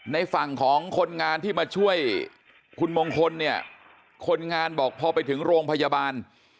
ในฝั่งของคนงานที่มาช่วยคุณมงคลเนี่ยคนงานบอกพอไปถึงโรงพยาบาล